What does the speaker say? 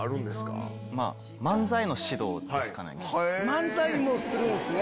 漫才もするんすね。